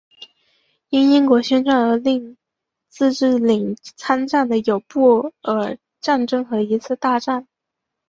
因英国宣战而令自治领参战的有布尔战争和一次大战。